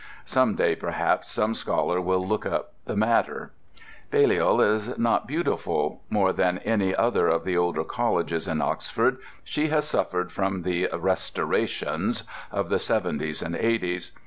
Some day perhaps some scholar will look the matter up. Balliol is not beautiful: more than any other of the older colleges in Oxford, she has suffered from the "restorations" of the 70's and 80's.